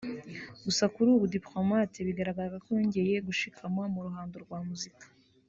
Gusa kuri ubu Diplomate bigaragara ko yongeye gushikama mu ruhando rwa muzika